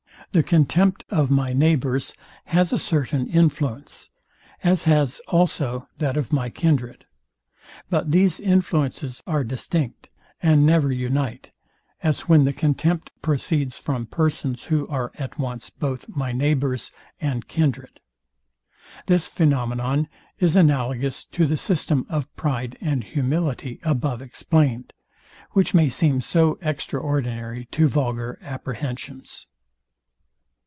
The contempt of my neighbours has a certain influence; as has also that of my kindred: But these influences are distinct, and never unite; as when the contempt proceeds from persons who are at once both my neighbours and kindred. This phænomenon is analogous to the system of pride and humility above explained, which may seem so extraordinary to vulgar apprehensions.